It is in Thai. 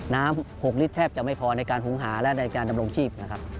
น้ำ๖ลิตรแทบจะไม่พอในการหุงหาและในการดำรงชีพ